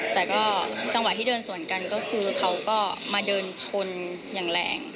แต่ก็จังหวะที่เดินสวนกันก็คือเขาก็มาเดินชนอย่างแรง